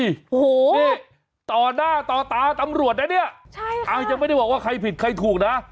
เฮ้ยโหต่อหน้าต่อตาตำลวดนะเนี้ยใช่ค่ะอ้างยังไม่ได้บอกว่าใครผิดใครถูกนะ